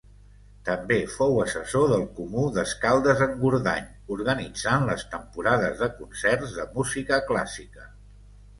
També fou assessor del Comú d'Escaldes-Engordany organitzant les temporades de concerts de música clàssica.